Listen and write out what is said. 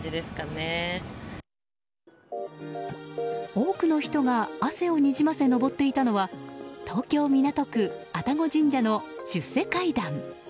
多くの人が汗をにじませ、上っていたのは東京・港区愛宕神社の出世階段。